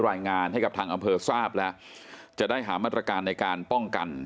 รายงานให้กับทางอำเภอทราบแล้วจะได้หามาตรการในการป้องกัน